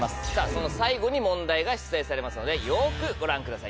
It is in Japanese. その最後に問題が出題されますのでよくご覧ください。